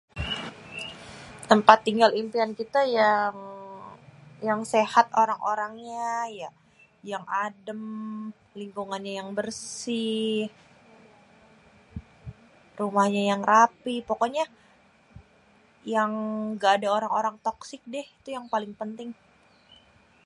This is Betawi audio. tempat tinggal impian kité yang sehat orang-orangnyé yang adém, lingkungannya yang bersih, rumahnyé yang rapih, pokoknyé yang gada orang-orang toksik déh itu yang paling penting